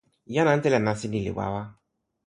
jan ante la nasin ni li wawa.